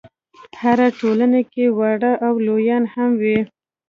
هره ټولنه کې واړه او لویان هم وي.